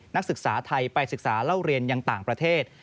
นักศึกษาไทยไปศึกษาเล่าเรียนยังต่างประเทศ